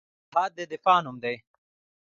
جهاد د دفاع نوم دی